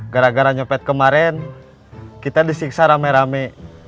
gara gara nyepet kemarin kita disiksa rame rame